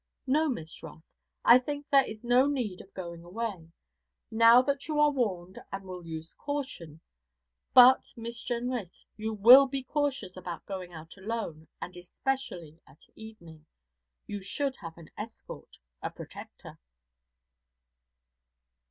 No, Miss Ross, I think there is no need of going away, now that you are warned and will use caution; but, Miss Jenrys, you will be cautious about going out alone, and especially at evening you should have an escort, a protector.'